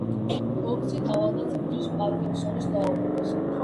ფოქსი თავადაც ებრძვის პარკინსონის დაავადებას.